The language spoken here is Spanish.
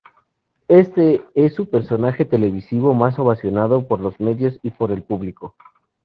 Este es su personaje televisivo más ovacionado por los medios y por el público.